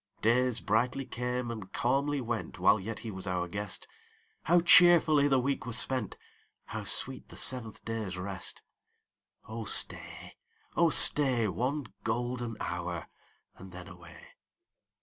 Days brightly came and calmly went, While yet he was our guest ; How cheerfully the week was spent ! How sweet the seventh day's rest ! Oh stay, oh stay. One golden hour, and then away.